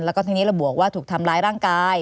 แล้วก็ทีนี้ระบุกว่าถูกทำร้ายร่างกาย